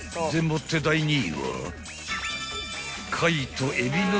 もって第２位は］